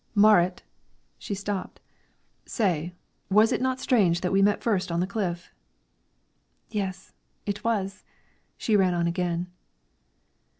"Marit!" She stopped. "Say, was it not strange that we met first on the cliff?" "Yes, it was." She ran on again.